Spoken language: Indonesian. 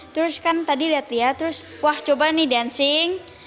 terus kan tadi lihat lihat terus wah coba nih dancing